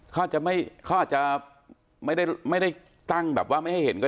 เขาอาจจะไม่ได้ตั้งแบบว่าไม่ให้เห็นก็ได้